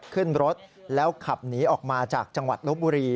ขึ้นรถแล้วขับหนีออกมาจากจังหวัดลบบุรี